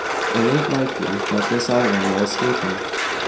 It aint likely that this island will escape 'em.